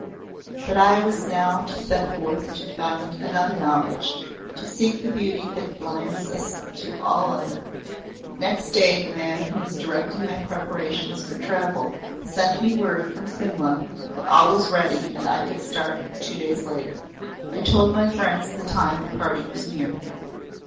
But I was now to set forth to find another knowledge to seek the Beauty that blinds us to all other. Next day the man who was directing my preparations for travel sent me word from Simla that all was ready and I could start two days later. I told my friends the time of parting was near.